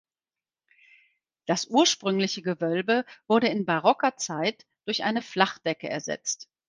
Das ursprüngliche Gewölbe wurde in barocker Zeit durch eine Flachdecke ersetzt.